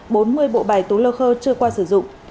bốn mươi bộ bài túi lơ khơ chưa qua sử dụng